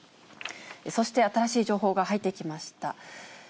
そして新しい情報が入ってきました。